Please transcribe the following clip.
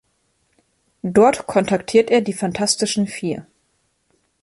Dort kontaktiert er die Fantastischen Vier.